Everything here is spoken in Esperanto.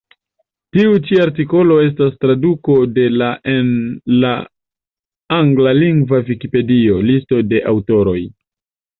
Tiu ĉi artikolo estas traduko de la en la anglalingva vikipedio, listo de aŭtoroj.